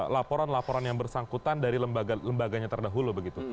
laporan laporan yang bersangkutan dari lembaganya terdahulu begitu